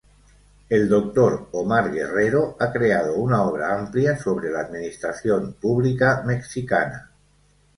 El Doctor Omar Guerrero ha creado una obra amplia sobre la administración pública mexicana.